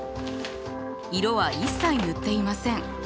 色は一切塗っていません。